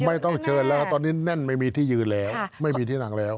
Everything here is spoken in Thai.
ไม่ต้องเชิญแล้วครับตอนนี้แน่นไม่มีที่ยืนแล้วไม่มีที่นั่งแล้ว